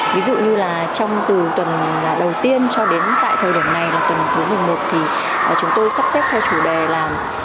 ví dụ như là trong từ tuần đầu tiên cho đến tại thời điểm này là tuần thứ một mươi một thì chúng tôi sắp xếp theo chủ đề là